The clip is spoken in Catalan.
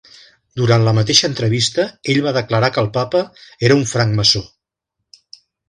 Durant la mateixa entrevista, ell va declarar que el Papa era un francmaçó.